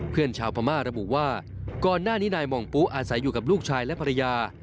เพื่อนชาวพม่าระบุว่าก่อนหน้านี้นายหม่องปุ๊อาศัยอยู่กับลูกชายและภรรยา